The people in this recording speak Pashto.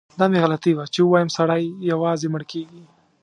دا مې غلطي وه چي ووایم سړی یوازې مړ کیږي.